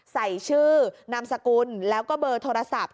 ใส่ชื่อนามสกุลแล้วก็เบอร์โทรศัพท์